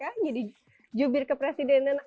menjadi jubir kepresidenan